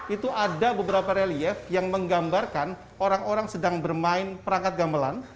itu ada beberapa relief yang menggambarkan orang orang sedang bermain perangkat gamelan